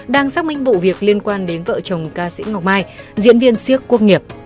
đang xác minh vụ việc liên quan đến vợ chồng ca sĩ ngọc mai diễn viên siếc quốc nghiệp